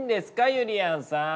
ゆりやんさん。